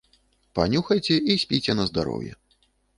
Панюхайце і спіце на здароўе.